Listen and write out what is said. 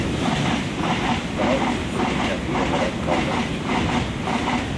Daha uzun süre kendim olarak kalmak için…